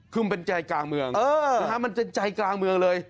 คือมันเป็นใจกลางเมืองมันจะใจกลางเมืองเลย